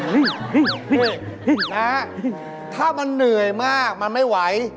นี่นะฮะถ้ามันเหนื่อยมากมันไม่ไหว